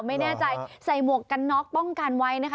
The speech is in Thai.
ไม่แน่ใจใส่หมวกกันน็อกป้องกันไว้นะคะ